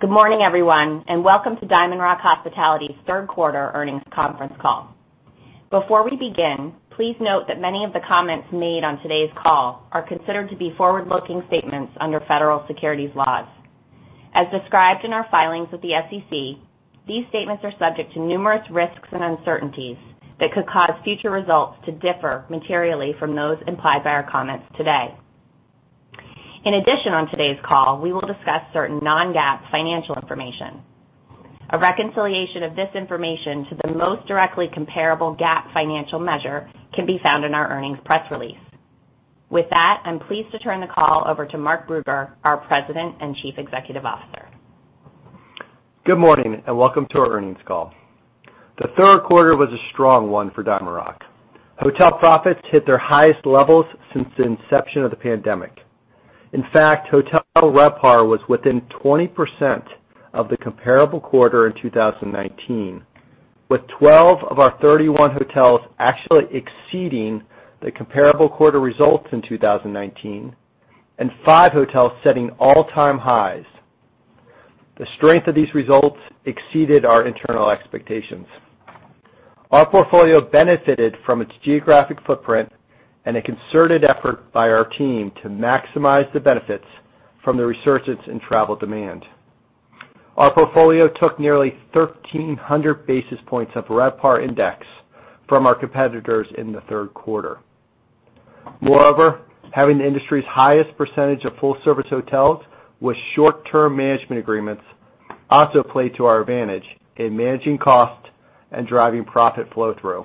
Good morning, everyone, and welcome to DiamondRock Hospitality's third quarter earnings conference call. Before we begin, please note that many of the comments made on today's call are considered to be forward-looking statements under federal securities laws. As described in our filings with the SEC, these statements are subject to numerous risks and uncertainties that could cause future results to differ materially from those implied by our comments today. In addition, on today's call, we will discuss certain non-GAAP financial information. A reconciliation of this information to the most directly comparable GAAP financial measure can be found in our earnings press release. With that, I'm pleased to turn the call over to Mark Brugger, our President and Chief Executive Officer. Good morning, and welcome to our earnings call. The third quarter was a strong one for DiamondRock. Hotel profits hit their highest levels since the inception of the pandemic. In fact, hotel RevPAR was within 20% of the comparable quarter in 2019, with 12 of our 31 hotels actually exceeding the comparable quarter results in 2019, and five hotels setting all-time highs. The strength of these results exceeded our internal expectations. Our portfolio benefited from its geographic footprint and a concerted effort by our team to maximize the benefits from the resurgence in travel demand. Our portfolio took nearly 1,300 basis points of RevPAR index from our competitors in the third quarter. Moreover, having the industry's highest percentage of full-service hotels with short-term management agreements also played to our advantage in managing costs and driving profit flow through.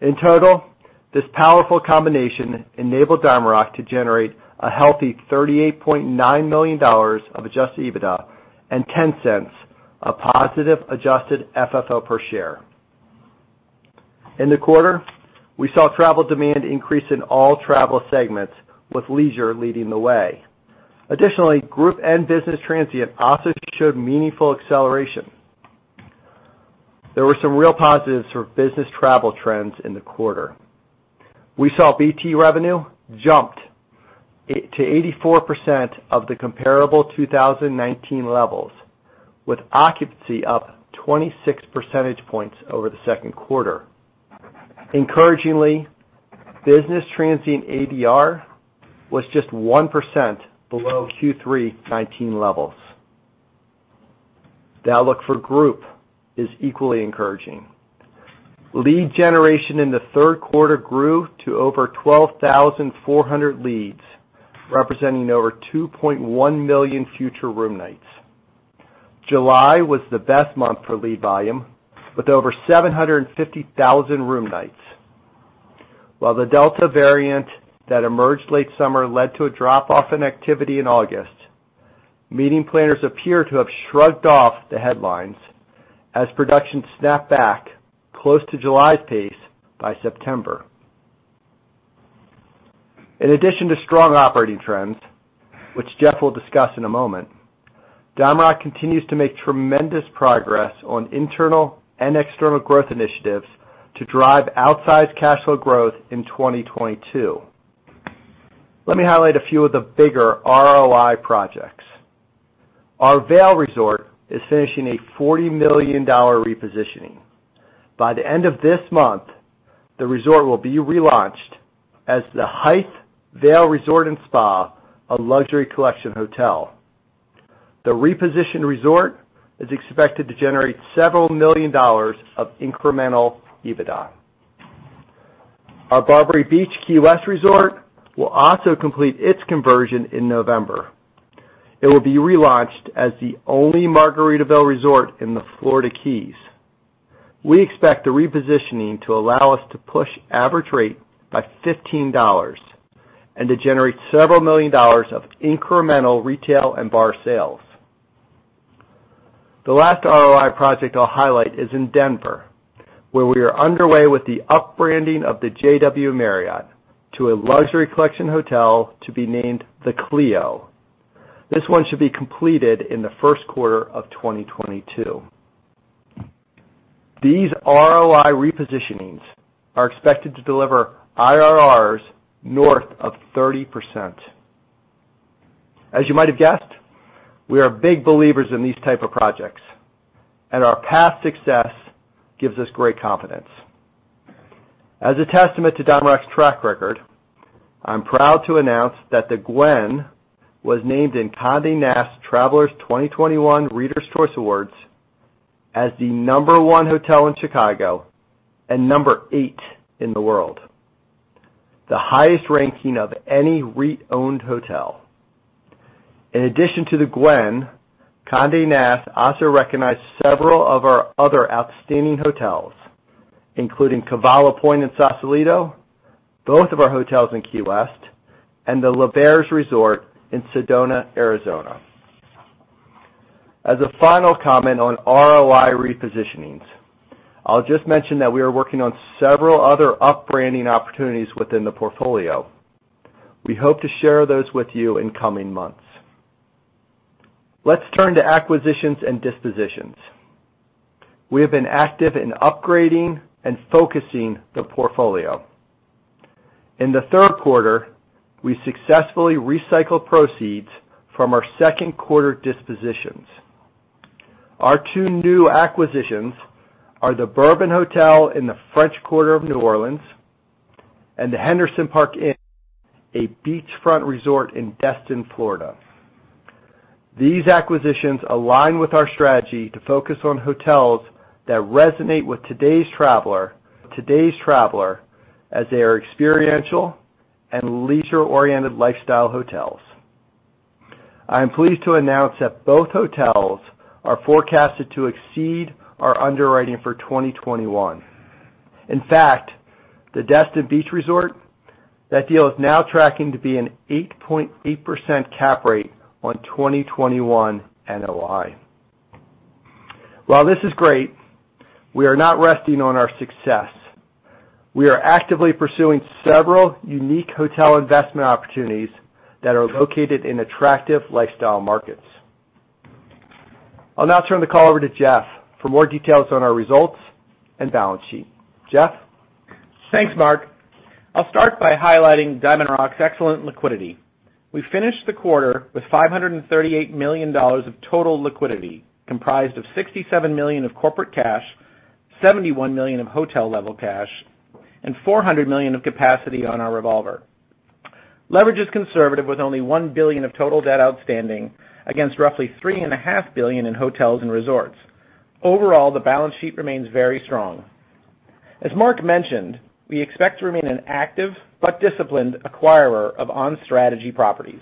In total, this powerful combination enabled DiamondRock to generate a healthy $38.9 million of adjusted EBITDA and $0.10 of positive adjusted FFO per share. In the quarter, we saw travel demand increase in all travel segments, with leisure leading the way. Group and business transient also showed meaningful acceleration. There were some real positives for business travel trends in the quarter. We saw BT revenue jumped to 84% of the comparable 2019 levels, with occupancy up 26 percentage points over the second quarter. Encouragingly, business transient ADR was just 1% below Q3 2019 levels. The outlook for group is equally encouraging. Lead generation in the third quarter grew to over 12,400 leads, representing over 2.1 million future room nights. July was the best month for lead volume, with over 750,000 room nights. While the Delta variant that emerged late summer led to a drop-off in activity in August, meeting planners appear to have shrugged off the headlines as production snapped back close to July's pace by September. In addition to strong operating trends, which Jeff will discuss in a moment, DiamondRock continues to make tremendous progress on internal and external growth initiatives to drive outsized cash flow growth in 2022. Let me highlight a few of the bigger ROI projects. Our Vail resort is finishing a $40 million repositioning. By the end of this month, the resort will be relaunched as The Hythe Vail Resort and Spa, a Luxury Collection hotel. The repositioned resort is expected to generate several million dollars of incremental EBITDA. Our Barbary Beach House Key West Resort will also complete its conversion in November. It will be relaunched as the only Margaritaville Resort in the Florida Keys. We expect the repositioning to allow us to push average rate by $15 and to generate several million dollars of incremental retail and bar sales. The last ROI project I'll highlight is in Denver, where we are underway with the up-branding of the JW Marriott to a Luxury Collection hotel to be named The Clio. This one should be completed in the first quarter of 2022. These ROI repositionings are expected to deliver IRRs north of 30%. As you might have guessed, we are big believers in these type of projects, and our past success gives us great confidence. As a testament to DiamondRock's track record, I'm proud to announce that The Gwen was named in Condé Nast Traveler's 2021 Readers' Choice Awards as the No. 1 hotel in Chicago and No. 8 in the world, the highest ranking of any REIT-owned hotel. In addition to The Gwen, Condé Nast also recognized several of our other outstanding hotels, including Cavallo Point in Sausalito, both of our hotels in Key West, and L'Auberge de Sedona in Sedona, Arizona. As a final comment on ROI repositionings, I'll just mention that we are working on several other up-branding opportunities within the portfolio. We hope to share those with you in coming months. Let's turn to acquisitions and dispositions. We have been active in upgrading and focusing the portfolio. In the third quarter, we successfully recycled proceeds from our second quarter dispositions. Our two new acquisitions are the Bourbon Orleans Hotel in the French Quarter of New Orleans and the Henderson Park Inn, a beachfront resort in Destin, Florida. These acquisitions align with our strategy to focus on hotels that resonate with today's traveler as they are experiential and leisure-oriented lifestyle hotels. I am pleased to announce that both hotels are forecasted to exceed our underwriting for 2021. In fact, the Destin beach resort, that deal is now tracking to be an 8.8% cap rate on 2021 NOI. While this is great, we are not resting on our success. We are actively pursuing several unique hotel investment opportunities that are located in attractive lifestyle markets. I'll now turn the call over to Jeff for more details on our results and balance sheet. Jeff? Thanks, Mark. I'll start by highlighting DiamondRock's excellent liquidity. We finished the quarter with $538 million of total liquidity, comprised of $67 million of corporate cash, $71 million of hotel-level cash, and $400 million of capacity on our revolver. Leverage is conservative with only $1 billion of total debt outstanding against roughly $3.5 billion in hotels and resorts. Overall, the balance sheet remains very strong. As Mark mentioned, we expect to remain an active but disciplined acquirer of on-strategy properties.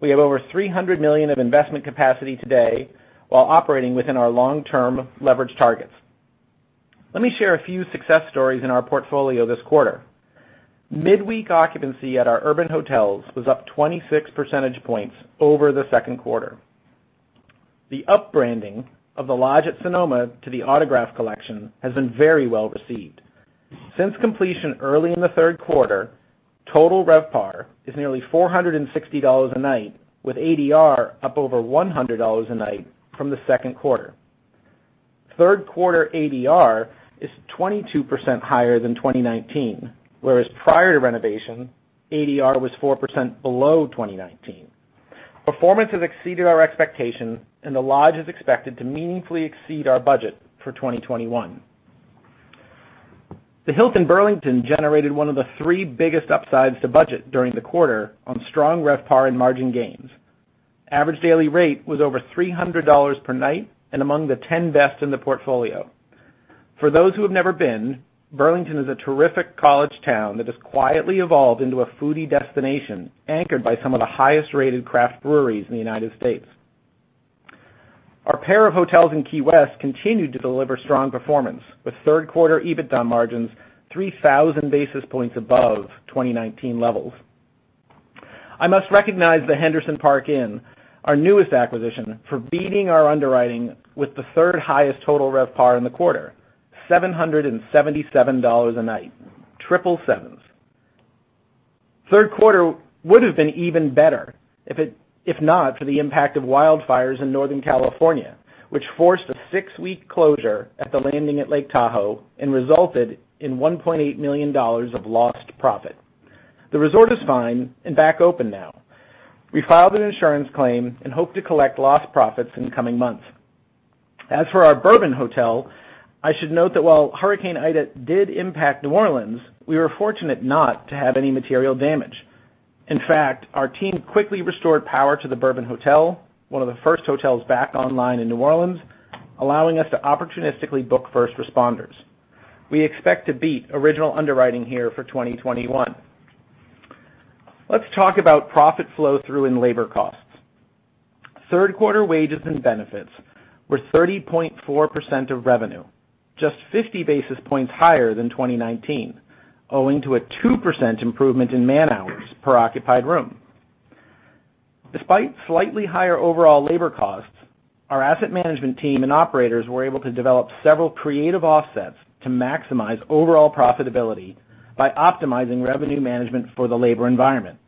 We have over $300 million of investment capacity today while operating within our long-term leverage targets. Let me share a few success stories in our portfolio this quarter. Midweek occupancy at our urban hotels was up 26 percentage points over the second quarter. The up-branding of the Lodge at Sonoma to the Autograph Collection has been very well received. Since completion early in the third quarter, total RevPAR is nearly $460 a night, with ADR up over $100 a night from the second quarter. Third quarter ADR is 22% higher than 2019, whereas prior to renovation, ADR was 4% below 2019. Performance has exceeded our expectations, and the Lodge is expected to meaningfully exceed our budget for 2021. The Hilton Burlington generated one of the three biggest upsides to budget during the quarter on strong RevPAR and margin gains. Average daily rate was over $300 per night and among the 10 best in the portfolio. For those who have never been, Burlington is a terrific college town that has quietly evolved into a foodie destination, anchored by some of the highest-rated craft breweries in the United States. Our pair of hotels in Key West continued to deliver strong performance, with third-quarter EBITDA margins 3,000 basis points above 2019 levels. I must recognize the Henderson Park Inn, our newest acquisition, for beating our underwriting with the third highest total RevPAR in the quarter, $777 a night. Triple sevens. Third quarter would have been even better if not for the impact of wildfires in Northern California, which forced a six-week closure at The Landing Resort & Spa and resulted in $1.8 million of lost profit. The resort is fine and back open now. We filed an insurance claim and hope to collect lost profits in the coming months. As for our Bourbon Orleans Hotel, I should note that while Hurricane Ida did impact New Orleans, we were fortunate not to have any material damage. In fact, our team quickly restored power to the Bourbon Hotel, one of the first hotels back online in New Orleans, allowing us to opportunistically book first responders. We expect to beat original underwriting here for 2021. Let's talk about profit flow through in labor costs. Third quarter wages and benefits were 30.4% of revenue, just 50 basis points higher than 2019, owing to a 2% improvement in man-hours per occupied room. Despite slightly higher overall labor costs, our asset management team and operators were able to develop several creative offsets to maximize overall profitability by optimizing revenue management for the labor environment.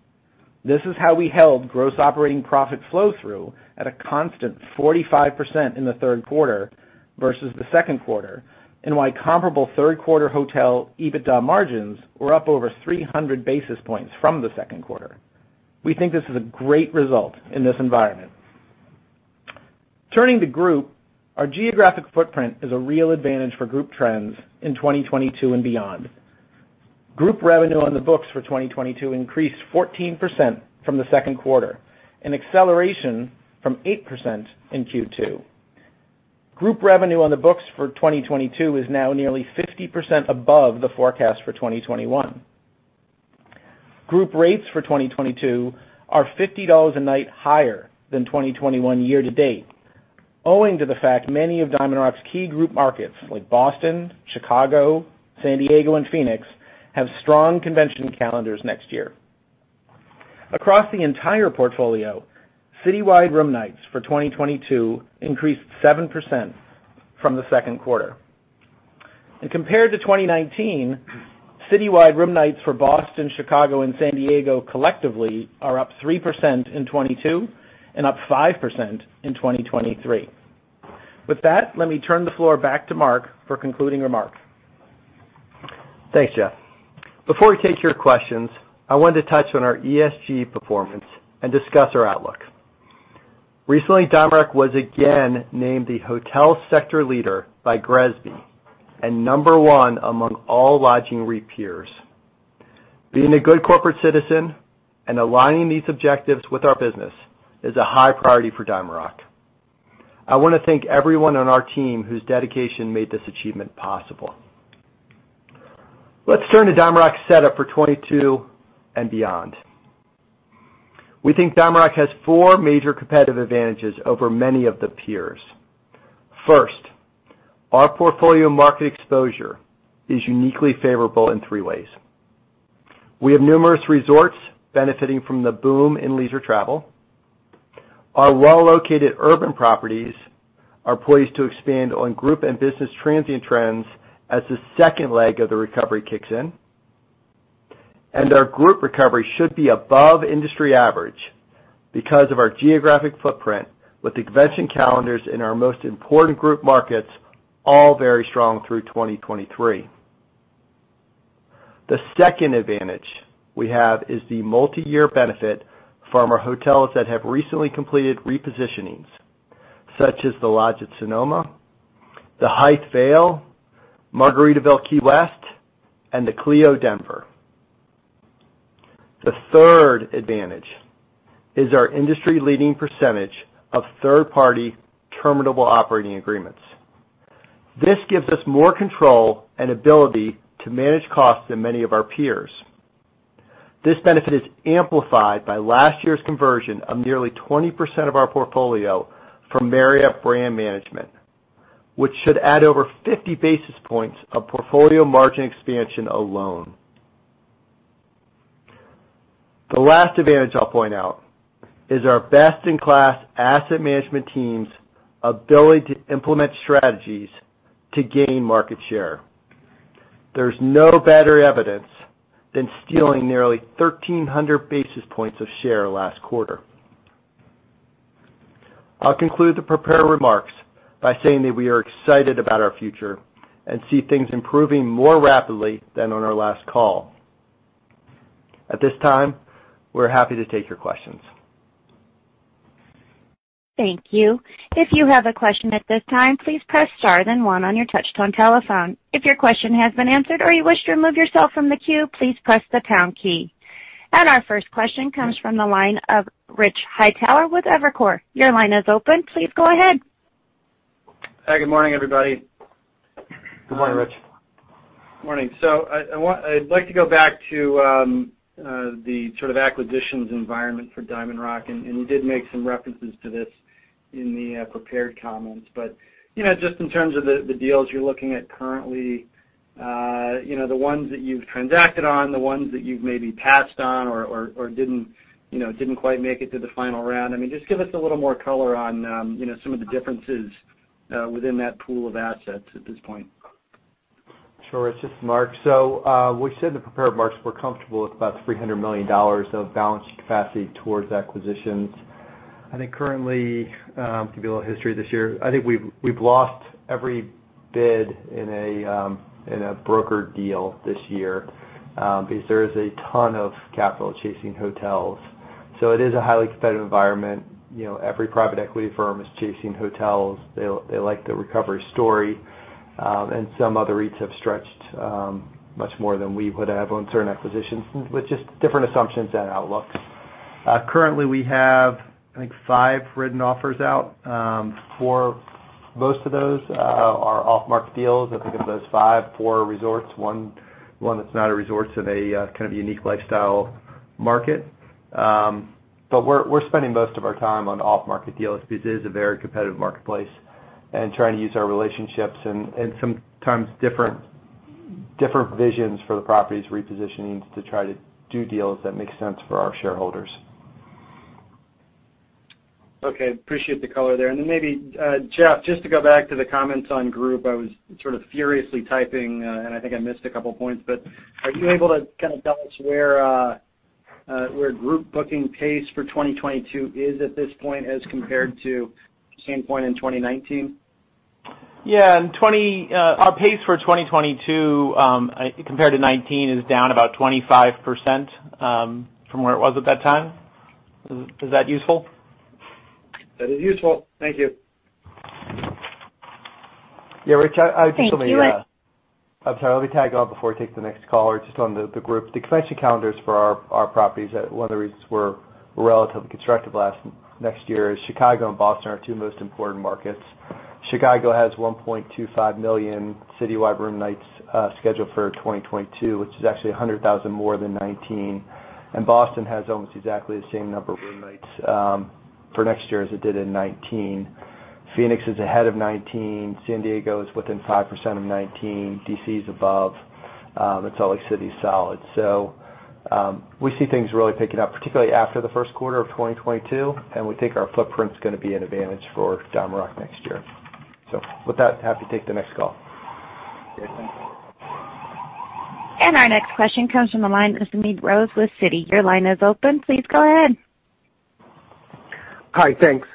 This is how we held gross operating profit flow through at a constant 45% in the third quarter versus the second quarter, and why comparable third quarter hotel EBITDA margins were up over 300 basis points from the second quarter. We think this is a great result in this environment. Turning to group, our geographic footprint is a real advantage for group trends in 2022 and beyond. Group revenue on the books for 2022 increased 14% from the second quarter, an acceleration from 8% in Q2. Group revenue on the books for 2022 is now nearly 50% above the forecast for 2021. Group rates for 2022 are $50 a night higher than 2021 year to date, owing to the fact many of DiamondRock's key group markets, like Boston, Chicago, San Diego, and Phoenix, have strong convention calendars next year. Across the entire portfolio, citywide room nights for 2022 increased 7% from the second quarter. Compared to 2019, citywide room nights for Boston, Chicago, and San Diego collectively are up 3% in 2022 and up 5% in 2023. With that, let me turn the floor back to Mark for concluding remarks. Thanks, Jeff. Before we take your questions, I wanted to touch on our ESG performance and discuss our outlook. Recently, DiamondRock was again named the hotel sector leader by GRESB and number one among all lodging REIT peers. Being a good corporate citizen and aligning these objectives with our business is a high priority for DiamondRock. I wanna thank everyone on our team whose dedication made this achievement possible. Let's turn to DiamondRock's setup for 2022 and beyond. We think DiamondRock has four major competitive advantages over many of the peers. First, our portfolio market exposure is uniquely favorable in three ways. We have numerous resorts benefiting from the boom in leisure travel. Our well-located urban properties are poised to expand on group and business transient trends as the second leg of the recovery kicks in. Our group recovery should be above industry average because of our geographic footprint with the convention calendars in our most important group markets, all very strong through 2023. The second advantage we have is the multiyear benefit from our hotels that have recently completed repositionings, such as the Lodge at Sonoma, The Hythe Vail, Margaritaville Key West, and the Clio Denver. The third advantage is our industry-leading percentage of third-party terminable operating agreements. This gives us more control and ability to manage costs than many of our peers. This benefit is amplified by last year's conversion of nearly 20% of our portfolio from Marriott brand management, which should add over 50 basis points of portfolio margin expansion alone. The last advantage I'll point out is our best-in-class asset management team's ability to implement strategies to gain market share. There's no better evidence than stealing nearly 1,300 basis points of share last quarter. I'll conclude the prepared remarks by saying that we are excited about our future and see things improving more rapidly than on our last call. At this time, we're happy to take your questions. Thank you. If you have a question at this time, please press Star then One on your touchtone telephone. If your question has been answered or you wish to remove yourself from the queue, please press the pound key. Our first question comes from the line of Rich Hightower with Evercore. Your line is open. Please go ahead. Hi, good morning, everybody. Good morning, Rich. Morning. I'd like to go back to the sort of acquisitions environment for DiamondRock, and you did make some references to this in the prepared comments. You know, just in terms of the deals you're looking at currently, you know, the ones that you've transacted on, the ones that you've maybe passed on or didn't quite make it to the final round. I mean, just give us a little more color on, you know, some of the differences within that pool of assets at this point. Sure, Rich. This is Mark. We said in the prepared remarks we're comfortable with about $300 million of balance sheet capacity towards acquisitions. I think currently, to give you a little history this year, I think we've lost every bid in a broker deal this year, because there is a ton of capital chasing hotels. It is a highly competitive environment. You know, every private equity firm is chasing hotels. They like the recovery story, and some other REITs have stretched much more than we would have on certain acquisitions, with just different assumptions and outlooks. Currently, we have, I think, five written offers out, for most of those are off-market deals. I think of those five, four are resorts, one that's not a resort. They kind of unique lifestyle market. We're spending most of our time on off-market deals because it is a very competitive marketplace, and trying to use our relationships and sometimes different visions for the property's repositioning to try to do deals that make sense for our shareholders. Okay. Appreciate the color there. Maybe, Jeff, just to go back to the comments on group, I was sort of furiously typing, and I think I missed a couple points, but are you able to kinda tell us where group booking pace for 2022 is at this point as compared to same point in 2019? Yeah. In 2022, our pace for 2022 compared to 2019 is down about 25% from where it was at that time. Is that useful? That is useful. Thank you. Yeah, Rich, I would just tell you. Thank you. I'm sorry. Let me tag on before we take the next caller just on the group. The convention calendars for our properties are one of the reasons we're relatively constructive next year is Chicago and Boston are our two most important markets. Chicago has 1.25 million citywide room nights scheduled for 2022, which is actually 100,000 more than 2019, and Boston has almost exactly the same number of room nights for next year as it did in 2019. Phoenix is ahead of 2019. San Diego is within 5% of 2019. D.C. is above Salt Lake City is solid. We see things really picking up, particularly after the first quarter of 2022, and we think our footprint's gonna be an advantage for DiamondRock next year. With that, happy to take the next call. Great, thanks. Our next question comes from the line of Smedes Rose with Citi. Your line is open. Please go ahead. Hi. Thanks.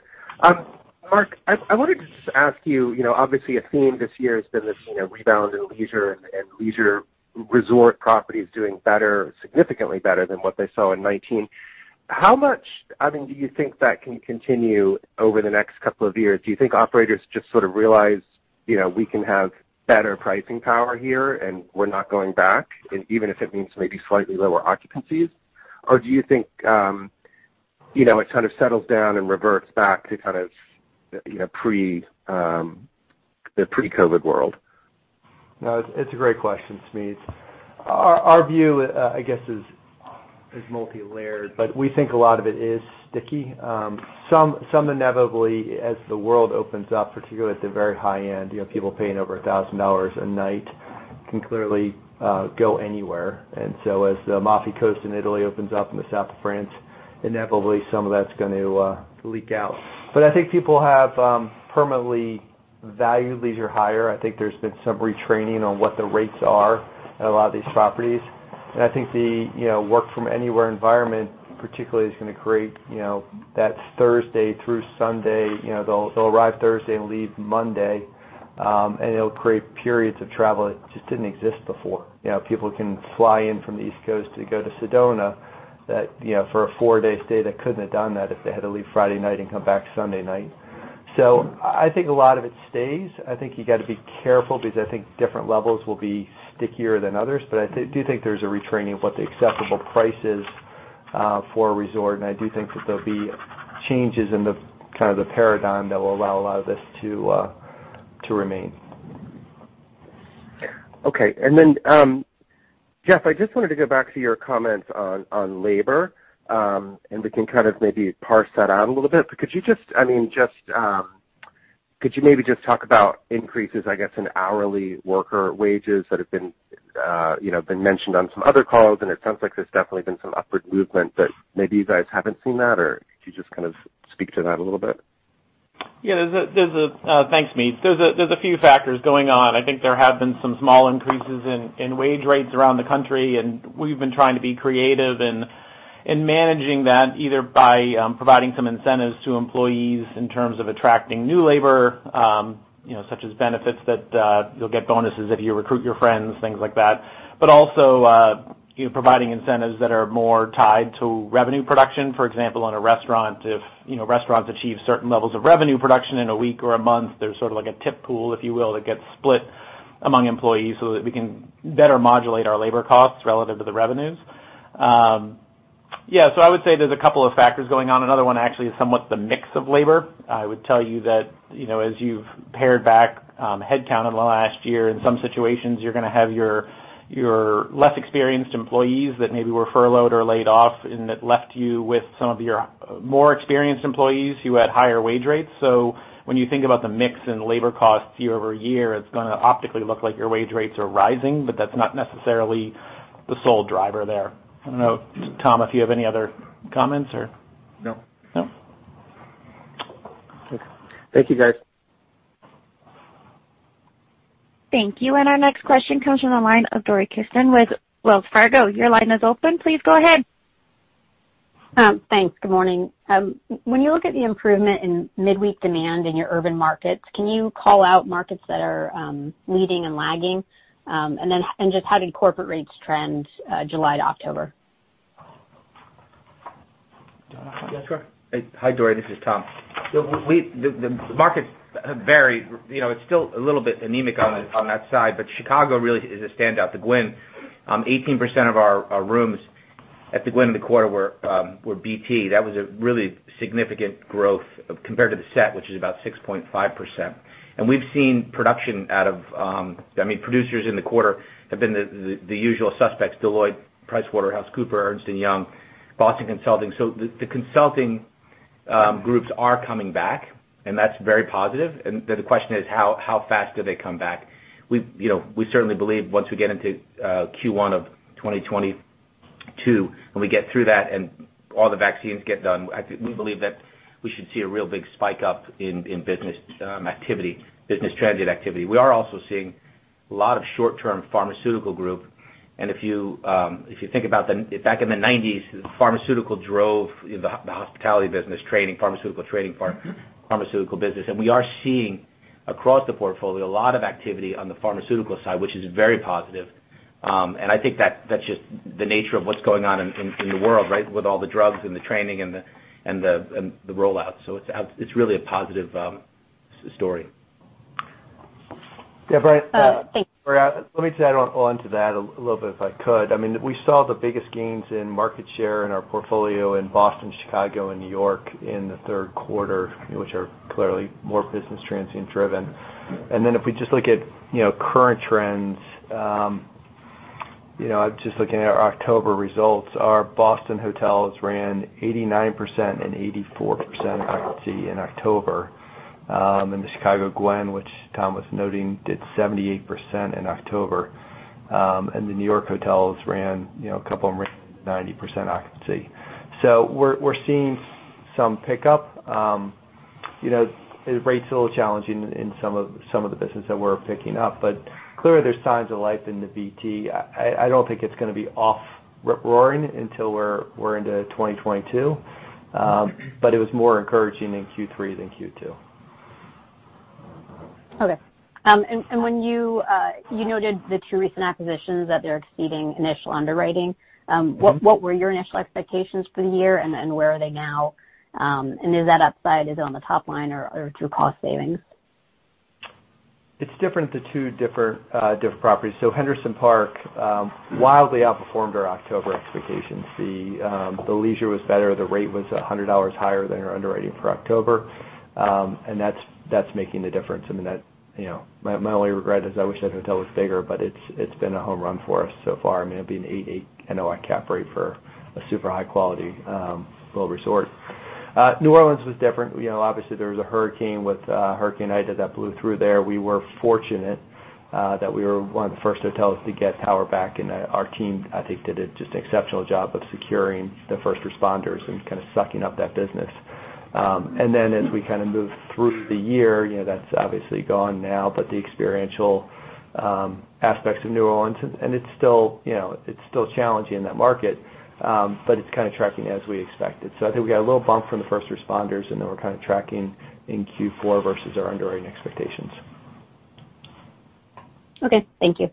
Mark, I wanted to just ask you know, obviously, a theme this year has been this, you know, rebound in leisure and leisure resort properties doing better, significantly better than what they saw in 2019. How much, I mean, do you think that can continue over the next couple of years? Do you think operators just sort of realize, you know, we can have better pricing power here, and we're not going back, and even if it means maybe slightly lower occupancies? Or do you think, you know, it kind of settles down and reverts back to kind of the, you know, pre-COVID world? No, it's a great question, Smedes. Our view, I guess, is multilayered, but we think a lot of it is sticky. Some inevitably as the world opens up, particularly at the very high end, you know, people paying over $1,000 a night can clearly go anywhere. As the Amalfi Coast in Italy opens up and the South of France, inevitably some of that's going to leak out. I think people have permanently valued leisure higher. I think there's been some retraining on what the rates are at a lot of these properties. I think the work from anywhere environment particularly is gonna create, you know, that Thursday through Sunday, you know, they'll arrive Thursday and leave Monday, and it'll create periods of travel that just didn't exist before. You know, people can fly in from the East Coast to go to Sedona that, you know, for a four-day stay. They couldn't have done that if they had to leave Friday night and come back Sunday night. I think a lot of it stays. I think you gotta be careful because I think different levels will be stickier than others. I do think there's a retraining of what the acceptable price is, for a resort. I do think that there'll be changes in the kind of the paradigm that will allow a lot of this to remain. Okay. Then, Jeff, I just wanted to go back to your comments on labor, and we can kind of maybe parse that out a little bit. But could you maybe just talk about increases, I guess, in hourly worker wages that have been, you know, mentioned on some other calls, and it sounds like there's definitely been some upward movement, but maybe you guys haven't seen that, or could you just kind of speak to that a little bit? Yeah. Thanks, Smedes. There's a few factors going on. I think there have been some small increases in wage rates around the country, and we've been trying to be creative in managing that, either by providing some incentives to employees in terms of attracting new labor, you know, such as benefits that you'll get bonuses if you recruit your friends, things like that. Also, you know, providing incentives that are more tied to revenue production. For example, in a restaurant, if you know, restaurants achieve certain levels of revenue production in a week or a month, there's sort of like a tip pool, if you will, that gets split among employees so that we can better modulate our labor costs relative to the revenues. Yeah, I would say there's a couple of factors going on. Another one actually is somewhat the mix of labor. I would tell you that, you know, as you've pared back headcount in the last year, in some situations, you're gonna have your less experienced employees that maybe were furloughed or laid off, and that left you with some of your more experienced employees who had higher wage rates. When you think about the mix in labor costs year over year, it's gonna optically look like your wage rates are rising, but that's not necessarily the sole driver there. I don't know, Tom, if you have any other comments. No. No? Okay. Thank you, guys. Thank you. Our next question comes from the line of Dori Kesten with Wells Fargo. Your line is open. Please go ahead. Thanks. Good morning. When you look at the improvement in midweek demand in your urban markets, can you call out markets that are leading and lagging? Just how did corporate rates trend, July to October? Do you want to- Yeah, sure. Hi, Dori. This is Tom. The markets vary. You know, it's still a little bit anemic on that side, but Chicago really is a standout. The Gwen, 18% of our rooms at the Gwen in the quarter were BT. That was a really significant growth compared to the comp set, which is about 6.5%. We've seen production out of producers in the quarter have been the usual suspects, Deloitte, PricewaterhouseCoopers, Ernst & Young, Boston Consulting Group. The consulting groups are coming back, and that's very positive. The question is: How fast do they come back? We certainly believe once we get into Q1 of 2022, when we get through that and all the vaccines get done, we believe that we should see a real big spike up in business activity, business transient activity. We are also seeing a lot of short-term pharmaceutical group. If you think about back in the nineties, pharmaceutical drove the hospitality business, training, pharmaceutical business. We are seeing across the portfolio a lot of activity on the pharmaceutical side, which is very positive. I think that's just the nature of what's going on in the world, right? With all the drugs and the training and the rollout. It's really a positive story. Yeah. Great. Oh, thanks. Let me add on to that a little bit if I could. I mean, we saw the biggest gains in market share in our portfolio in Boston, Chicago, and New York in the third quarter, which are clearly more business transient driven. If we just look at, you know, current trends. You know, I was just looking at our October results. Our Boston hotels ran 89% and 84% occupancy in October. In The Gwen in Chicago, which Tom was noting, did 78% in October. The New York hotels ran, you know, a couple of them ran 90% occupancy. We're seeing some pickup. You know, the rate's a little challenging in some of the business that we're picking up, but clearly there's signs of life in the BT. I don't think it's gonna be roaring until we're into 2022. It was more encouraging in Q3 than Q2. When you noted the two recent acquisitions that they're exceeding initial underwriting. What were your initial expectations for the year and where are they now? Is that upside on the top line or through cost savings? It's different for two different properties. Henderson Park wildly outperformed our October expectations. The leisure was better, the rate was $100 higher than our underwriting for October. And that's making the difference. I mean, you know. My only regret is I wish that hotel was bigger, but it's been a home run for us so far. I mean, it'd be an 8 NOI cap rate for a super high quality global resort. New Orleans was different. You know, obviously, there was a hurricane with Hurricane Ida that blew through there. We were fortunate that we were one of the first hotels to get power back, and our team, I think, did a just exceptional job of securing the first responders and kind of sucking up that business. as we kind of move through the year, you know, that's obviously gone now, but the experiential aspects of New Orleans, and it's still, you know, it's still challenging in that market, but it's kind of tracking as we expected. I think we got a little bump from the first responders, and then we're kind of tracking in Q4 versus our underwriting expectations. Okay. Thank you.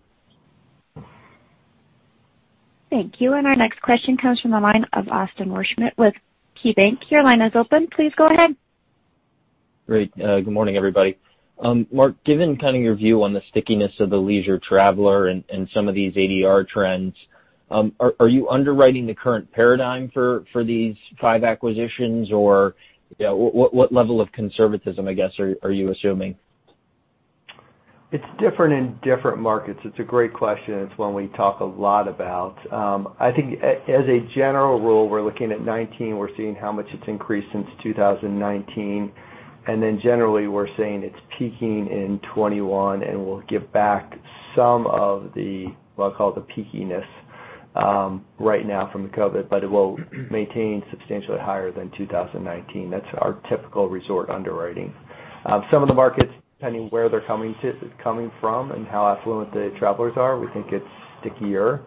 Thank you. Our next question comes from the line of Austin Wurschmidt with KeyBanc Capital Markets. Your line is open. Please go ahead. Great. Good morning, everybody. Mark, given kind of your view on the stickiness of the leisure traveler and some of these ADR trends, are you underwriting the current paradigm for these five acquisitions? Or, you know, what level of conservatism, I guess, are you assuming? It's different in different markets. It's a great question. It's one we talk a lot about. I think as a general rule, we're looking at 2019, we're seeing how much it's increased since 2019. Generally, we're saying it's peaking in 2021, and we'll give back some of the, what I call the peakiness, right now from the COVID, but it will maintain substantially higher than 2019. That's our typical resort underwriting. Some of the markets, depending where they're coming from and how affluent the travelers are, we think it's stickier.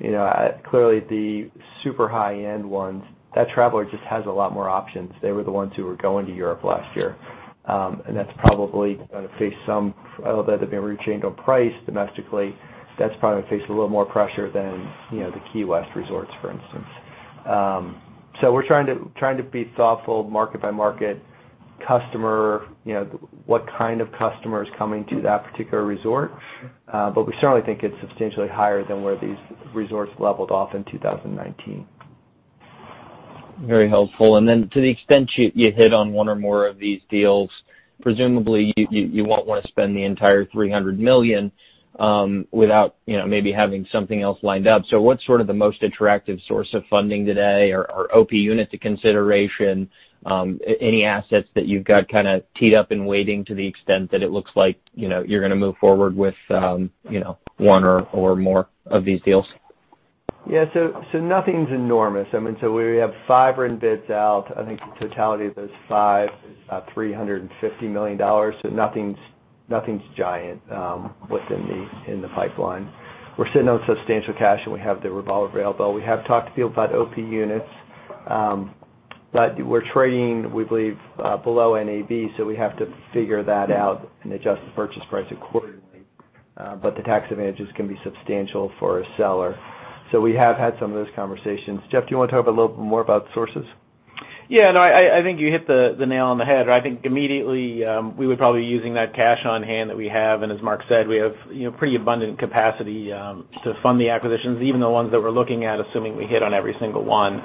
You know, clearly the super high-end ones, that traveler just has a lot more options. They were the ones who were going to Europe last year. Although they've been reaching on price domestically, that's probably gonna face a little more pressure than, you know, the Key West resorts, for instance. We're trying to be thoughtful market by market, customer, you know, what kind of customer is coming to that particular resort. We certainly think it's substantially higher than where these resorts leveled off in 2019. Very helpful. To the extent you hit on one or more of these deals, presumably you won't wanna spend the entire $300 million without, you know, maybe having something else lined up. What's sort of the most attractive source of funding today? Or OP unit to consideration, any assets that you've got kinda teed up and waiting to the extent that it looks like, you know, you're gonna move forward with, you know, one or more of these deals? Nothing's enormous. I mean, we have five earnouts out. I think the totality of those five is about $350 million, so nothing's giant within the pipeline. We're sitting on substantial cash, and we have the revolver available. We have talked to people about OP units, but we're trading, we believe, below NAV, so we have to figure that out and adjust the purchase price accordingly. But the tax advantages can be substantial for a seller. We have had some of those conversations. Jeff, do you want to talk a little more about sources? Yeah. No, I think you hit the nail on the head. I think immediately we would probably be using that cash on hand that we have. As Mark said, we have you know pretty abundant capacity to fund the acquisitions, even the ones that we're looking at, assuming we hit on every single one.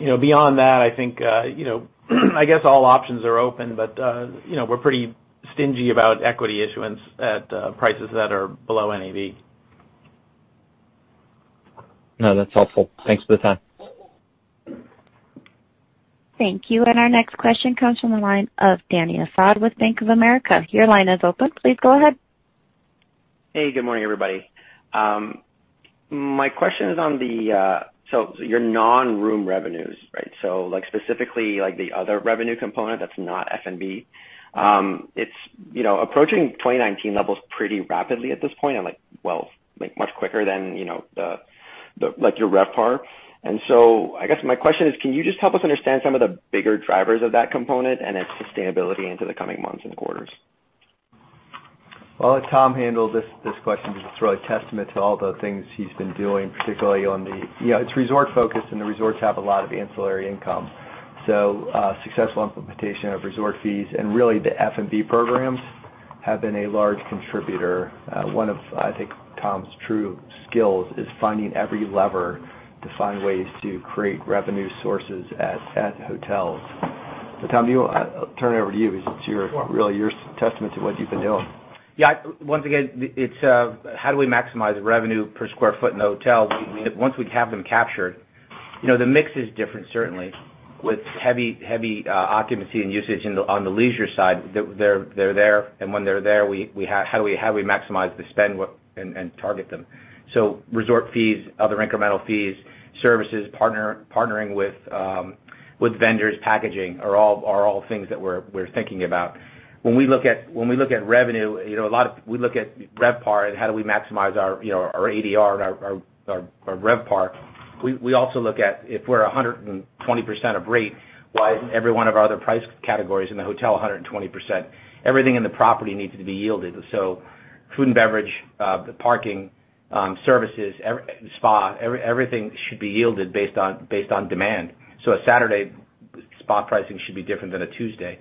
You know beyond that I think you know I guess all options are open, but you know we're pretty stingy about equity issuance at prices that are below NAV. No, that's helpful. Thanks for the time. Thank you. Our next question comes from the line of Dany Asad with Bank of America. Your line is open. Please go ahead. Hey, good morning, everybody. My question is on your non-room revenues, right? Like, specifically like the other revenue component that's not F&B. It's, you know, approaching 2019 levels pretty rapidly at this point, and like, well, like much quicker than, you know, the like your RevPAR. I guess my question is, can you just help us understand some of the bigger drivers of that component and its sustainability into the coming months and quarters? Well, I'll let Tom handle this question because it's really a testament to all the things he's been doing, particularly on the, you know, it's resort-focused, and the resorts have a lot of ancillary income. Successful implementation of resort fees and really the F&B programs have been a large contributor. One of, I think, Tom's true skills is finding every lever to find ways to create revenue sources at hotels. Tom, I'll turn it over to you because it's your- Sure. Really your testament to what you've been doing. Yeah. Once again, it's how do we maximize revenue per square foot in the hotel once we have them captured? You know, the mix is different certainly with heavy occupancy and usage on the leisure side. They're there, and when they're there, how do we maximize the spend and target them? Resort fees, other incremental fees, services, partnering with vendors, packaging are all things that we're thinking about. When we look at revenue, you know, a lot of. We look at RevPAR and how do we maximize our, you know, our ADR and our RevPAR. We also look at if we're 120% of rate, why isn't every one of our other price categories in the hotel 120%? Everything in the property needs to be yielded. Food and beverage, the parking, services, spa, everything should be yielded based on demand. A Saturday spa pricing should be different than a Tuesday.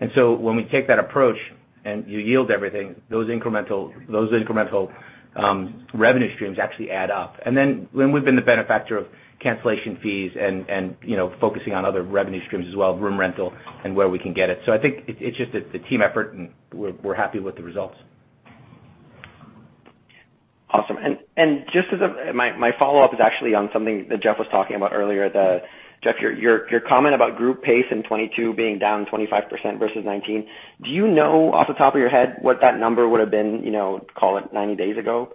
When we take that approach and you yield everything, those incremental revenue streams actually add up. When we've been the beneficiary of cancellation fees and, you know, focusing on other revenue streams as well, room rental and where we can get it. I think it's just a team effort, and we're happy with the results. Awesome. My follow-up is actually on something that Jeff was talking about earlier. Jeff, your comment about group pace in 2022 being down 25% versus 2019. Do you know off the top of your head what that number would have been, you know, call it 90 days ago?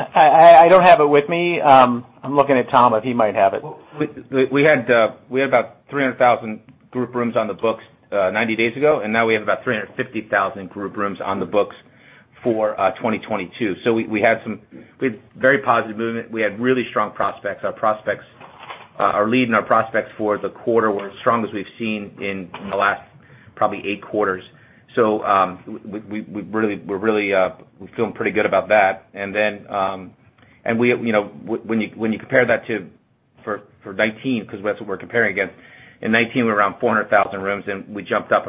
I don't have it with me. I'm looking at Tom if he might have it. We had about 300,000 group rooms on the books 90 days ago, and now we have about 350,000 group rooms on the books for 2022. We had very positive movement. We had really strong prospects. Our lead and our prospects for the quarter were as strong as we've seen in the last probably eight quarters. We're really feeling pretty good about that. You know, when you compare that to for 2019, 'cause that's what we're comparing against. In 2019 we were around 400,000 rooms, and we picked up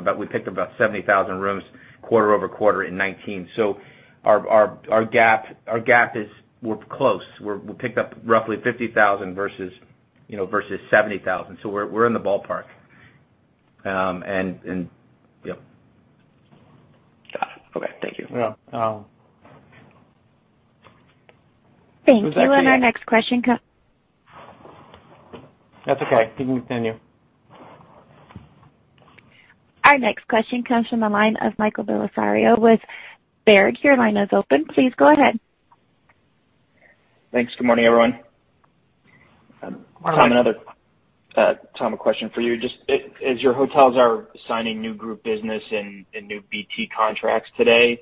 about 70,000 rooms quarter-over-quarter in 2019. Our gap is we're close. We picked up roughly 50,000 versus, you know, versus 70,000. We're in the ballpark. Yep. Got it. Okay. Thank you. Yeah. Thank you. Our next question comes That's okay. You can continue. Our next question comes from the line of Michael Bellisario with Baird. Your line is open. Please go ahead. Thanks. Good morning, everyone. Morning. Tom, another question for you. Just as your hotels are signing new group business and new BT contracts today,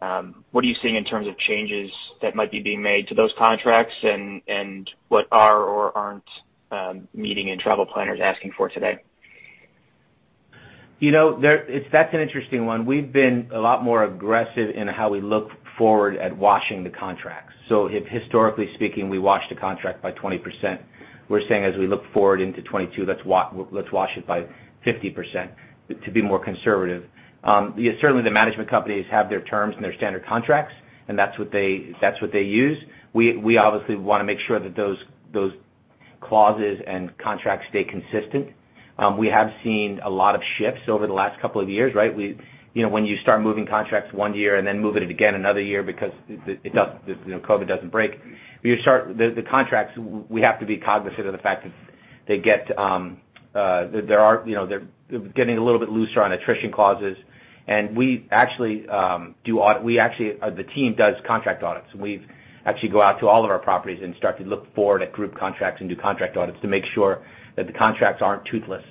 what are you seeing in terms of changes that might be being made to those contracts and what are or aren't meeting and travel planners asking for today? You know, that's an interesting one. We've been a lot more aggressive in how we look forward at washing the contracts. If historically speaking, we washed a contract by 20%, we're saying as we look forward into 2022, let's wash it by 50% to be more conservative. Certainly the management companies have their terms and their standard contracts, and that's what they use. We obviously wanna make sure that those clauses and contracts stay consistent. We have seen a lot of shifts over the last couple of years, right? You know, when you start moving contracts one year and then moving it again another year because it does, you know, COVID doesn't break, you start Contracts, we have to be cognizant of the fact that they're getting a little bit looser on attrition clauses. We actually, the team does contract audits. We've actually gone out to all of our properties and started to look forward at group contracts and do contract audits to make sure that the contracts aren't toothless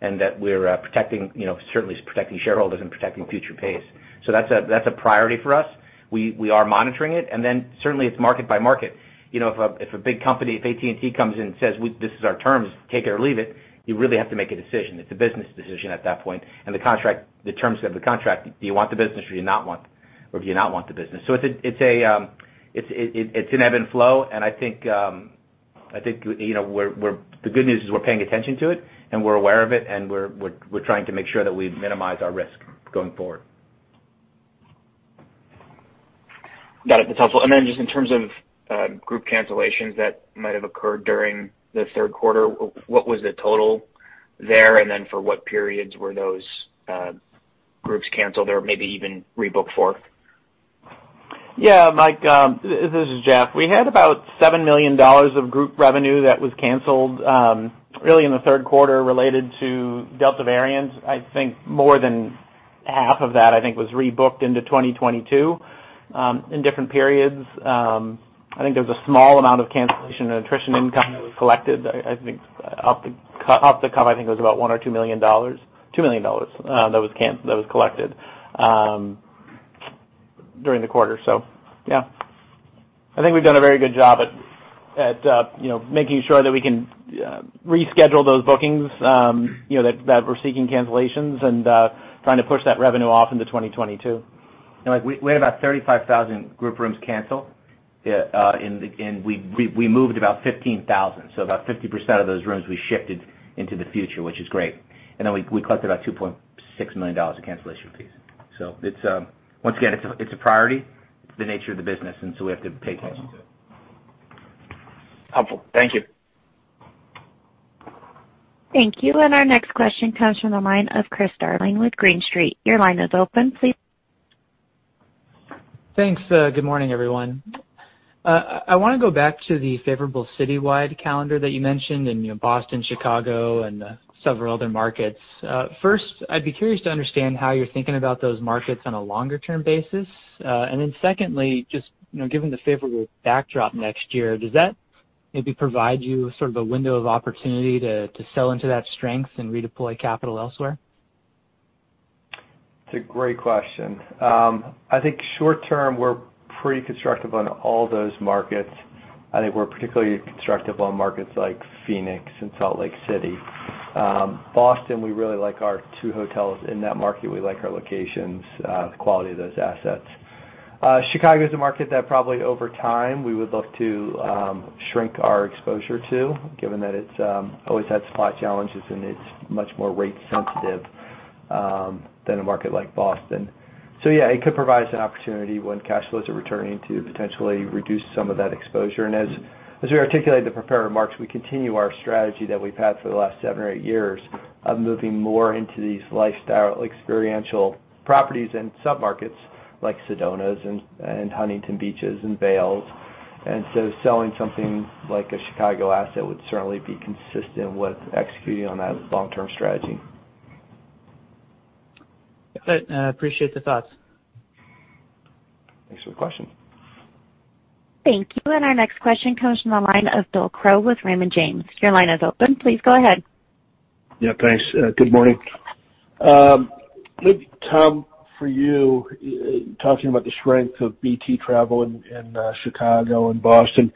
and that we're protecting, you know, certainly protecting shareholders and protecting future pace. That's a priority for us. We are monitoring it, and then certainly it's market by market. You know, if a big company, if AT&T comes in and says, "This is our terms, take it or leave it," you really have to make a decision. It's a business decision at that point. The contract, the terms of the contract, do you want the business or do you not want the business? It's an ebb and flow, and I think, you know, we're paying attention to it, and we're aware of it, and we're trying to make sure that we minimize our risk going forward. Got it. That's helpful. Just in terms of group cancellations that might have occurred during the third quarter, what was the total there, and then for what periods were those groups canceled or maybe even rebooked for? Yeah. Mike, this is Jeff. We had about $7 million of group revenue that was canceled really in the third quarter related to Delta variant. I think more than half of that, I think, was rebooked into 2022 in different periods. I think there was a small amount of cancellation and attrition income that was collected. I think off the cuff, I think it was about $1 million or $2 million that was collected during the quarter. Yeah, I think we've done a very good job at making sure that we can reschedule those bookings, you know, that we're seeking cancellations and trying to push that revenue off into 2022. Like we had about 35,000 group rooms canceled. We moved about 15,000. About 50% of those rooms we shifted into the future, which is great. We collected about $2.6 million of cancellation fees. Once again, it's a priority. It's the nature of the business, and we have to pay attention to it. Helpful. Thank you. Thank you. Our next question comes from the line of Chris Darling with Green Street. Your line is open, please. Thanks. Good morning, everyone. I wanna go back to the favorable citywide calendar that you mentioned in, you know, Boston, Chicago, and several other markets. First, I'd be curious to understand how you're thinking about those markets on a longer term basis. Secondly, just, you know, given the favorable backdrop next year, does that maybe provide you sort of a window of opportunity to sell into that strength and redeploy capital elsewhere? It's a great question. I think short term, we're pretty constructive on all those markets. I think we're particularly constructive on markets like Phoenix and Salt Lake City. Boston, we really like our two hotels in that market. We like our locations, the quality of those assets. Chicago is a market that probably over time, we would look to, shrink our exposure to, given that it's always had supply challenges, and it's much more rate sensitive, than a market like Boston. Yeah, it could provide us an opportunity when cash flows are returning to potentially reduce some of that exposure. As we articulated in the prepared remarks, we continue our strategy that we've had for the last seven or eight years of moving more into these lifestyle experiential properties and submarkets like Sedona and Huntington Beach and Vail. Selling something like a Chicago asset would certainly be consistent with executing on that long-term strategy. Okay. I appreciate the thoughts. Thanks for the question. Thank you. Our next question comes from the line of Bill Crow with Raymond James. Your line is open. Please go ahead. Yeah, thanks. Good morning. Maybe Tom, for you, talking about the strength of BT travel in Chicago and Boston,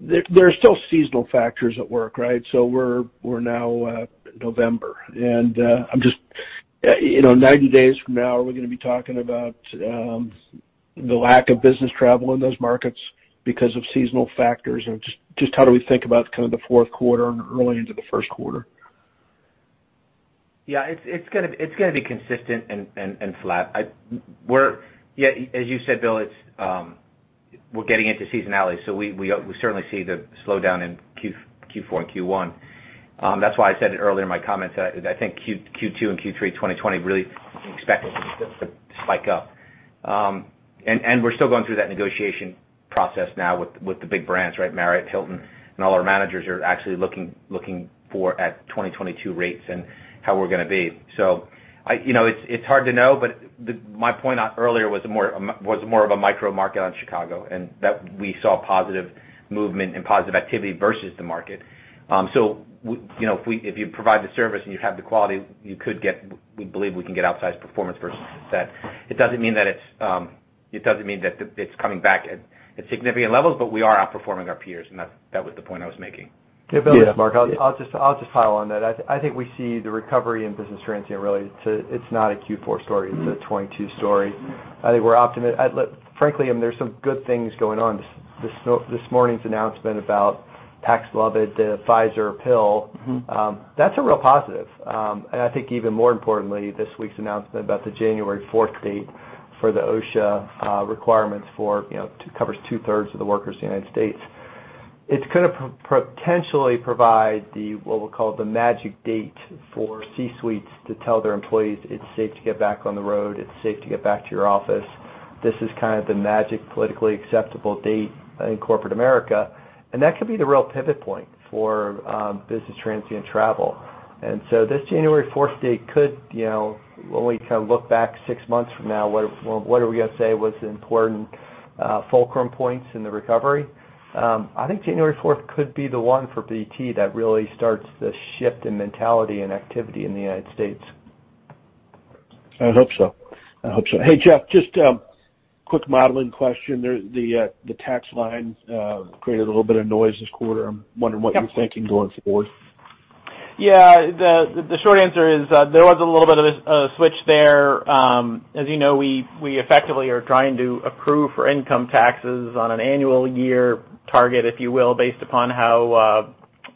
there are still seasonal factors at work, right? We're now November, and I'm just, you know, 90 days from now, are we gonna be talking about the lack of business travel in those markets because of seasonal factors? Or just how do we think about kind of the fourth quarter and early into the first quarter? Yeah, it's gonna be consistent and flat. Yeah, as you said, Bill, it's, we're getting into seasonality, so we certainly see the slowdown in Q4 and Q1. That's why I said it earlier in my comments that I think Q2 and Q3 2020 really expect us to spike up. We're still going through that negotiation process now with the big brands, right? Marriott, Hilton, and all our managers are actually looking at 2022 rates and how we're gonna be. You know, it's hard to know, but my point earlier was more of a micro market on Chicago, and that we saw positive movement and positive activity versus the market. You know, if you provide the service and you have the quality, you could get. We believe we can get outsized performance versus the set. It doesn't mean that it's coming back at significant levels, but we are outperforming our peers, and that was the point I was making. Yeah, Bill, it's Mark. I'll just follow on that. I think we see the recovery in business transient really too. It's not a Q4 story, it's a 2022 story. I think we're optimistic. Look, frankly, I mean, there's some good things going on. This morning's announcement about Paxlovid, the Pfizer pill. That's a real positive. I think even more importantly, this week's announcement about the January fourth date for the OSHA requirements for, you know, to cover two-thirds of the workers in the United States. It's gonna potentially provide what we'll call the magic date for C-suites to tell their employees it's safe to get back on the road, it's safe to get back to your office. This is kind of the magic politically acceptable date in corporate America, and that could be the real pivot point for business transient travel. This January fourth date could, you know, when we kind of look back six months from now, what are we gonna say was the important fulcrum points in the recovery? I think January fourth could be the one for BT that really starts the shift in mentality and activity in the United States. I hope so. I hope so. Hey, Jeff, just quick modeling question. The tax line created a little bit of noise this quarter. I'm wondering what you're thinking going forward. Yeah. The short answer is, there was a little bit of a switch there. As you know, we effectively are trying to accrue for income taxes on an annual year target, if you will, based upon how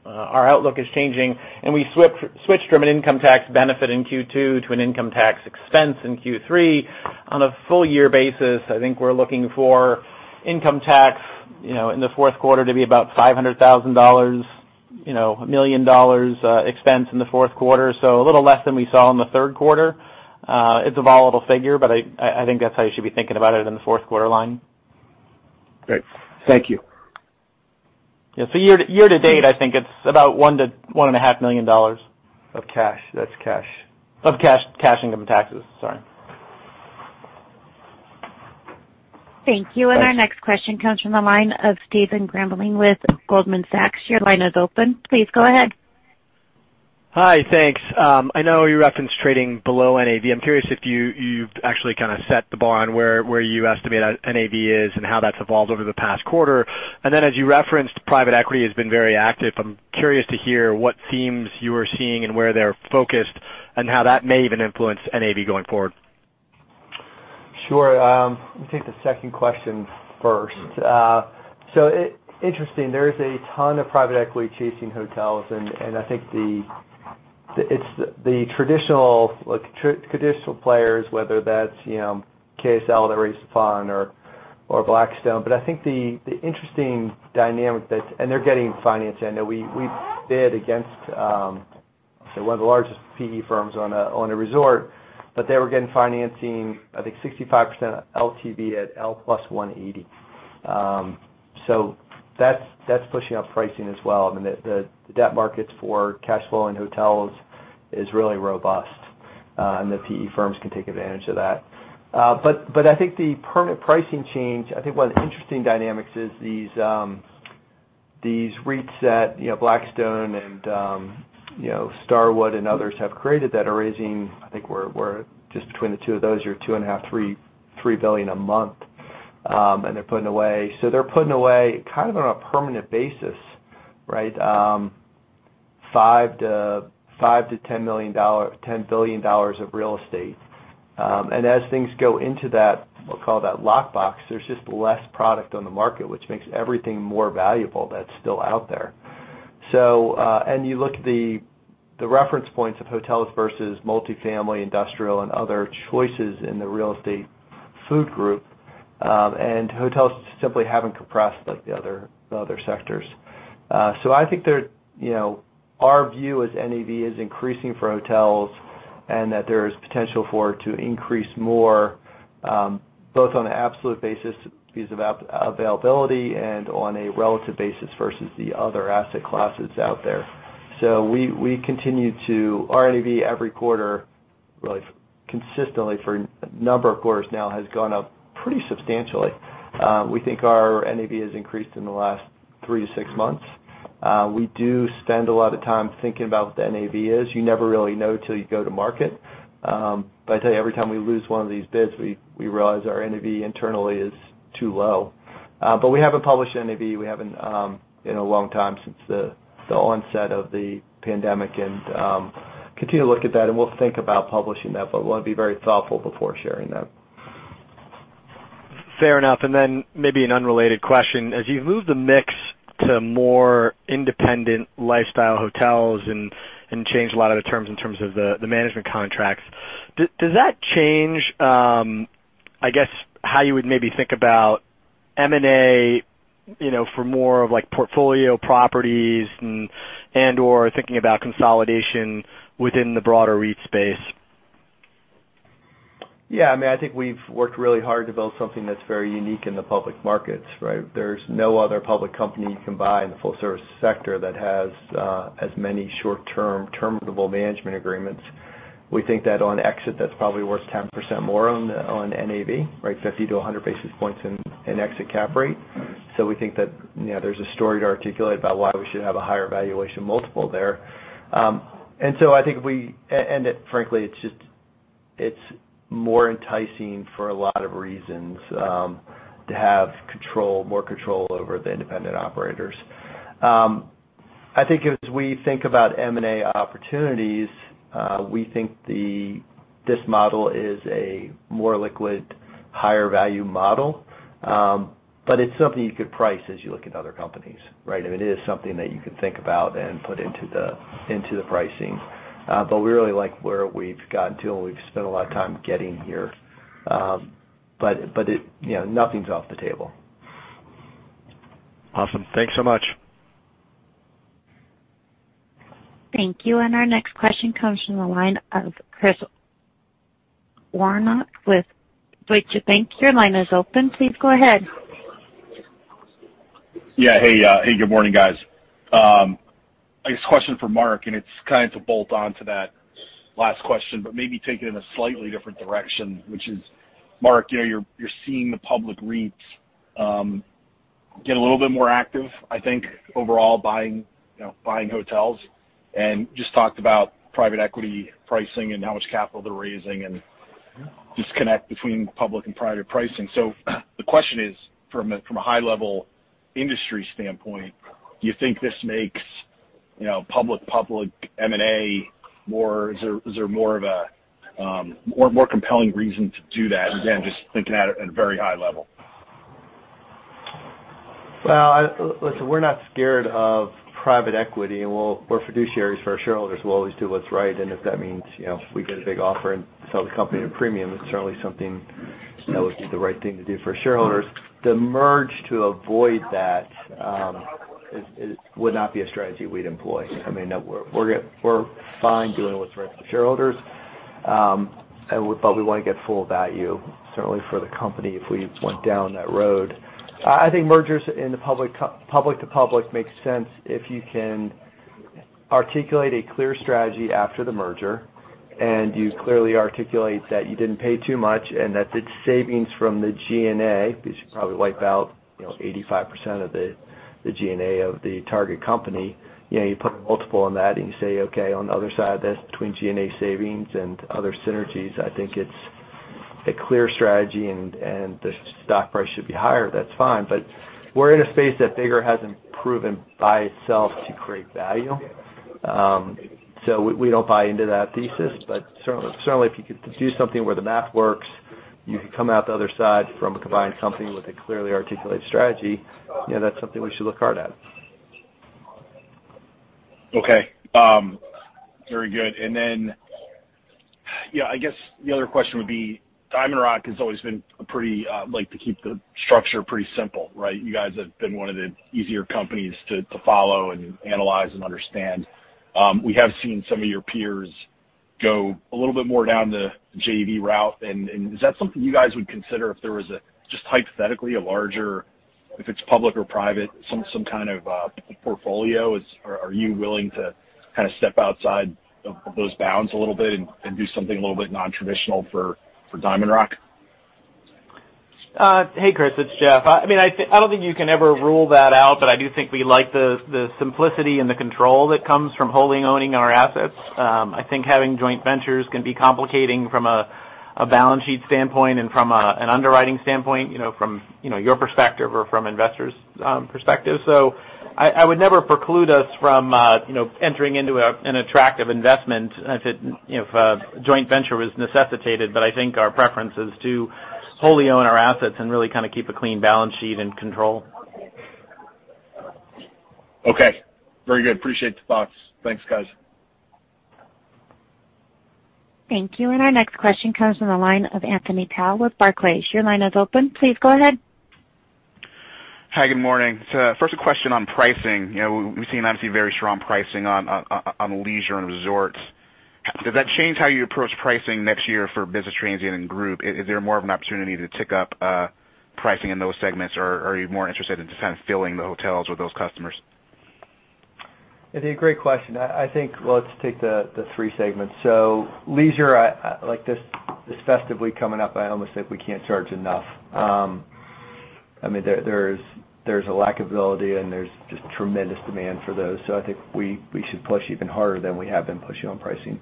our outlook is changing. We switched from an income tax benefit in Q2 to an income tax expense in Q3. On a full year basis, I think we're looking for income tax, you know, in the fourth quarter to be about $500,000, you know, $1 million, expense in the fourth quarter. A little less than we saw in the third quarter. It's a volatile figure, but I think that's how you should be thinking about it in the fourth quarter line. Great. Thank you. Yeah. Year to date, I think it's about $1 million-$1.5 million of cash. That's cash income taxes, sorry. Thank you. Thanks. Our next question comes from the line of Stephen Grambling with Goldman Sachs. Your line is open. Please go ahead. Hi. Thanks. I know you referenced trading below NAV. I'm curious if you've actually kind of set the bar on where you estimate NAV is and how that's evolved over the past quarter. Then as you referenced, private equity has been very active. I'm curious to hear what themes you are seeing and where they're focused and how that may even influence NAV going forward. Sure. Let me take the second question first. So interesting, there is a ton of private equity chasing hotels, and I think it's the traditional, like, traditional players, whether that's, you know, KSL that raised the fund or Blackstone. I think the interesting dynamic that they're getting financing. I know we bid against one of the largest PE firms on a resort, but they were getting financing, I think 65% LTV at L plus 180. So that's pushing up pricing as well. I mean, the debt markets for cash flow in hotels is really robust, and the PE firms can take advantage of that. I think the permanent pricing change. I think one of the interesting dynamics is these REITs that, you know, Blackstone and, you know, Starwood and others have created that are raising. I think we're just between the two of those $2.5 billion-$3 billion a month, and they're putting away kind of on a permanent basis, right? $5 billion-$10 billion of real estate. As things go into that, we'll call that lockbox, there's just less product on the market, which makes everything more valuable that's still out there. You look at the reference points of hotels versus multifamily, industrial, and other choices in the real estate food chain, and hotels simply haven't compressed like the other sectors. I think they're, you know, our view is NAV is increasing for hotels and that there is potential for it to increase more, both on an absolute basis because of availability and on a relative basis versus the other asset classes out there. We continue to, our NAV every quarter, really consistently for a number of quarters now, has gone up pretty substantially. We think our NAV has increased in the last 3-6 months. We do spend a lot of time thinking about what the NAV is. You never really know till you go to market. But I tell you, every time we lose one of these bids, we realize our NAV internally is too low. But we haven't published NAV. We haven't in a long time since the onset of the pandemic. Continue to look at that, and we'll think about publishing that, but we wanna be very thoughtful before sharing that. Fair enough. Maybe an unrelated question. As you've moved the mix to more independent lifestyle hotels and changed a lot of the terms in terms of the management contracts, does that change, I guess, how you would maybe think about M&A, you know, for more of like portfolio properties and/or thinking about consolidation within the broader REIT space? Yeah, I mean, I think we've worked really hard to build something that's very unique in the public markets, right? There's no other public company you can buy in the full service sector that has as many short-term terminable management agreements. We think that on exit, that's probably worth 10% more on NAV, right, 50-100 basis points in exit cap rate. We think that, you know, there's a story to articulate about why we should have a higher valuation multiple there. Frankly, it's just more enticing for a lot of reasons to have control, more control over the independent operators. I think as we think about M&A opportunities, we think this model is a more liquid, higher value model. It's something you could price as you look at other companies, right? I mean, it is something that you can think about and put into the pricing. We really like where we've gotten to, and we've spent a lot of time getting here. It, you know, nothing's off the table. Awesome. Thanks so much. Thank you. Our next question comes from the line of Chris Woronka with Deutsche Bank. Your line is open. Please go ahead. Yeah. Hey, good morning, guys. I guess question for Mark, and it's kind of bolt on to that last question, but maybe take it in a slightly different direction, which is, Mark, you know, you're seeing the public REITs get a little bit more active, I think, overall buying, you know, buying hotels. Just talked about private equity pricing and how much capital they're raising and disconnect between public and private pricing. The question is, from a high level industry standpoint, do you think this makes, you know, public-public M&A more... Is there more of a more compelling reason to do that? Again, just thinking about it at a very high level. Well, listen, we're not scared of private equity, and we'll. We're fiduciaries for our shareholders. We'll always do what's right. If that means, you know, if we get a big offer and sell the company at a premium, it's certainly something that would be the right thing to do for our shareholders. To merge to avoid that would not be a strategy we'd employ. I mean, we're fine doing what's right for shareholders, but we wanna get full value, certainly for the company, if we went down that road. I think mergers in the public to public makes sense if you can articulate a clear strategy after the merger, and you clearly articulate that you didn't pay too much and that the savings from the G&A, because you probably wipe out, you know, 85% of the G&A of the target company. You know, you put a multiple on that, and you say, "Okay, on the other side of this, between G&A savings and other synergies, I think it's a clear strategy and the stock price should be higher," that's fine. We're in a space that bigger hasn't proven by itself to create value. We don't buy into that thesis. Certainly if you could do something where the math works. You can come out the other side from a combined company with a clearly articulated strategy, yeah, that's something we should look hard at. Okay. Very good. Yeah, I guess the other question would be DiamondRock has always been a pretty, like to keep the structure pretty simple, right? You guys have been one of the easier companies to follow and analyze and understand. We have seen some of your peers go a little bit more down the JV route. Is that something you guys would consider if there was a, just hypothetically, a larger, if it's public or private, some kind of portfolio? Are you willing to kind of step outside of those bounds a little bit and do something a little bit non-traditional for DiamondRock? Hey, Chris, it's Jeff. I mean, I don't think you can ever rule that out, but I do think we like the simplicity and the control that comes from holding, owning our assets. I think having joint ventures can be complicating from a balance sheet standpoint and from an underwriting standpoint, you know, from your perspective or from investors' perspective. I would never preclude us from entering into an attractive investment if a joint venture is necessitated, but I think our preference is to wholly own our assets and really kind of keep a clean balance sheet and control. Okay. Very good. Appreciate the thoughts. Thanks, guys. Thank you. Our next question comes from the line of Anthony Powell with Barclays. Your line is open. Please go ahead. Hi, good morning. First a question on pricing. You know, we've seen obviously very strong pricing on leisure and resorts. Does that change how you approach pricing next year for business transient and group? Is there more of an opportunity to tick up pricing in those segments, or are you more interested in just kind of filling the hotels with those customers? It's a great question. I think, well, let's take the three segments. Leisure, like this festive week coming up, I almost think we can't charge enough. I mean, there's a lack of ability and there's just tremendous demand for those. I think we should push even harder than we have been pushing on pricing.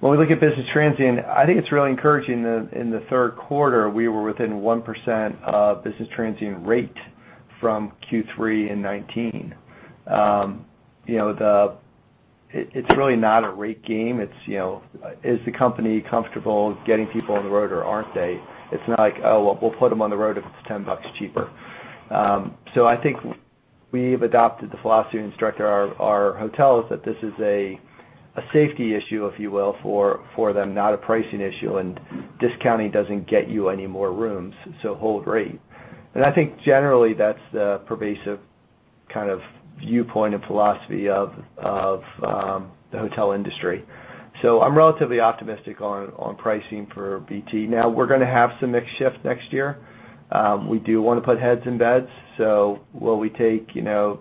When we look at business transient, I think it's really encouraging. In the third quarter, we were within 1% of business transient rate from Q3 in 2019. You know, it's really not a rate game. It's, you know, is the company comfortable getting people on the road or aren't they? It's not like, oh, well, we'll put them on the road if it's $10 cheaper. I think we've adopted the philosophy and instructed our hotels that this is a safety issue, if you will, for them, not a pricing issue. Discounting doesn't get you any more rooms, so hold rate. I think generally that's the pervasive kind of viewpoint and philosophy of the hotel industry. I'm relatively optimistic on pricing for BT. Now, we're gonna have some mix shift next year. We do wanna put heads in beds. Will we take, you know,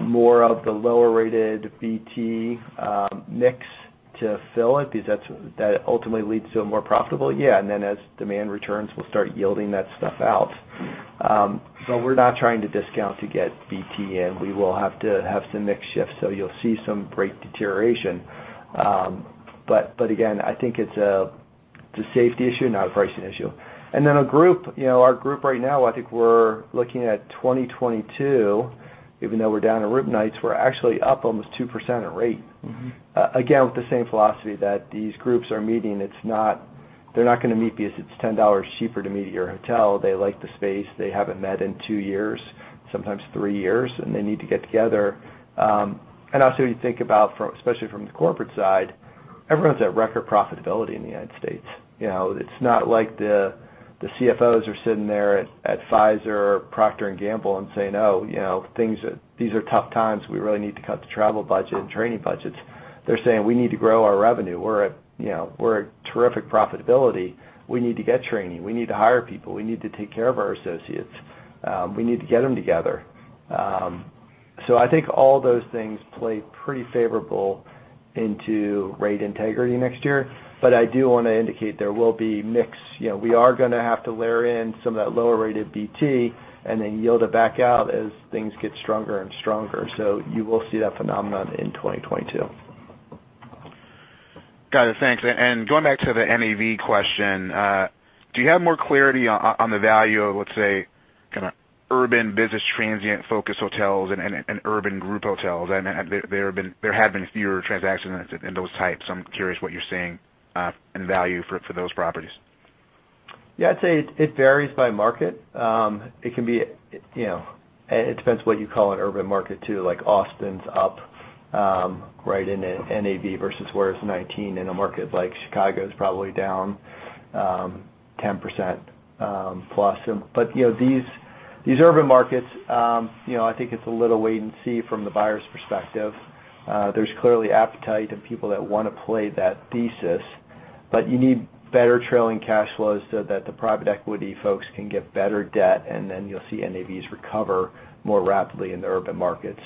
more of the lower rated BT mix to fill it? Because that ultimately leads to a more profitable. Yeah. Then as demand returns, we'll start yielding that stuff out. We're not trying to discount to get BT in. We will have to have some mix shifts, so you'll see some RevPAR deterioration. Again, I think it's a safety issue, not a pricing issue. Our group, you know, our group right now, I think we're looking at 2022, even though we're down in room nights, we're actually up almost 2% in rate. Again, with the same philosophy that these groups are meeting, it's not. They're not gonna meet because it's $10 cheaper to meet at your hotel. They like the space. They haven't met in two years, sometimes three years, and they need to get together. Also you think about from, especially from the corporate side, everyone's at record profitability in the United States. You know, it's not like the CFOs are sitting there at Pfizer or Procter & Gamble and saying, "Oh, you know, things are. These are tough times. We really need to cut the travel budget and training budgets." They're saying, "We need to grow our revenue. We're at, you know, terrific profitability. We need to get training. We need to hire people. We need to take care of our associates. We need to get them together." I think all those things play pretty favorable into rate integrity next year. I do wanna indicate there will be mix. You know, we are gonna have to layer in some of that lower rate of BT and then yield it back out as things get stronger and stronger. You will see that phenomenon in 2022. Got it. Thanks. Going back to the NAV question, do you have more clarity on the value of, let's say, kinda urban business transient-focused hotels and urban group hotels? I mean, there have been fewer transactions in those types. I'm curious what you're seeing, and the value for those properties. Yeah, I'd say it varies by market. It can be, you know, it depends what you call an urban market too. Like, Austin's up right in a NAV versus 2019, whereas in a market like Chicago is probably down 10% plus. You know, these urban markets, you know, I think it's a little wait and see from the buyer's perspective. There's clearly appetite and people that wanna play that thesis, but you need better trailing cash flows so that the private equity folks can get better debt, and then you'll see NAVs recover more rapidly in the urban markets.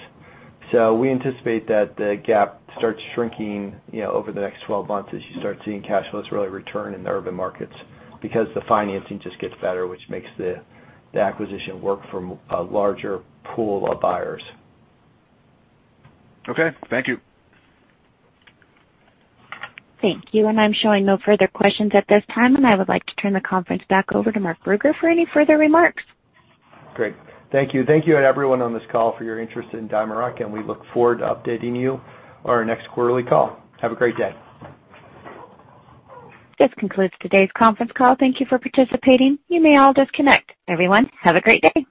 We anticipate that the gap starts shrinking, you know, over the next 12 months as you start seeing cash flows really return in the urban markets because the financing just gets better, which makes the acquisition work from a larger pool of buyers. Okay. Thank you. Thank you. I'm showing no further questions at this time, and I would like to turn the conference back over to Mark Brugger for any further remarks. Great. Thank you. Thank you and everyone on this call for your interest in DiamondRock, and we look forward to updating you on our next quarterly call. Have a great day. This concludes today's conference call. Thank you for participating. You may all disconnect. Everyone, have a great day.